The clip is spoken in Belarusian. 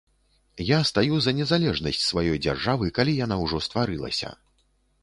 Я стаю за незалежнасць сваёй дзяржавы, калі яна ўжо стварылася.